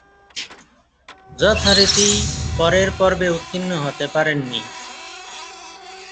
যথারীতি পরের পর্বে উত্তীর্ণ হতে পারেননি।